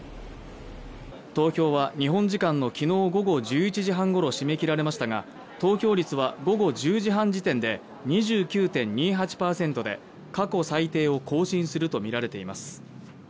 投票は日本時間の昨日午後１１時半ごろ締め切られましたが投票率は午後１０時半時点で２９．２８％で、過去最低を更新するとみられています。